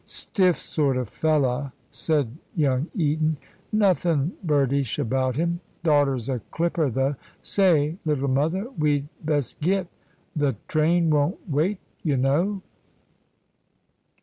"Stiff sort of fella'!" said young Eton. "Nothin' birdish about him. Daughter's a clipper, though. Say, little mother, we'd best get. Th' train won't wait, y' know."